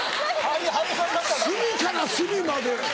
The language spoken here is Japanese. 隅から隅まで。